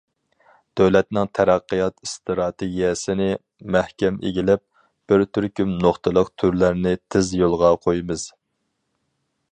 دۆلەتنىڭ تەرەققىيات ئىستراتېگىيەسىنى مەھكەم ئىگىلەپ، بىر تۈركۈم نۇقتىلىق تۈرلەرنى تېز يولغا قويىمىز.